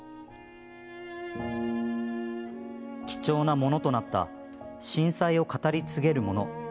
貴重なものとなった震災を語り継げるもの。